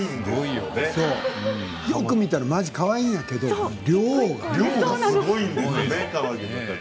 よく見たらかわいいんやけど量がね。